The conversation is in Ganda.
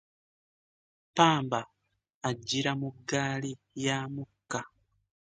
Pamba ajjira mu ggaali ya mukka.